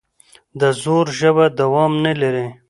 د زور ژبه دوام نه لري